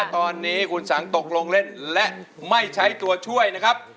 ตอนนี้คุณสังตกลงเล่นและไม่ใช้ตัวช่วยนะครับ